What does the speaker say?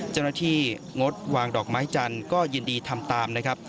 เจ้าหน้าที่งดวางดอกไม้จันก็ยินดีทำตามนะครับ